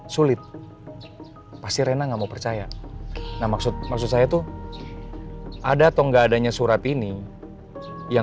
sulit pasti rena nggak mau percaya nah maksud maksud saya tuh ada atau enggak adanya surat ini yang